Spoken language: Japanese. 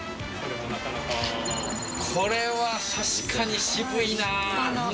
これは確かに渋いなあ。